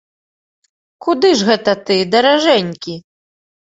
Куды ж гэта ты, даражэнькі?